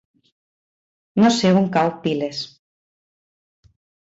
No sé on cau Piles.